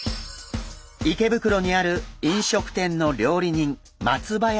池袋にある飲食店の料理人松林さん。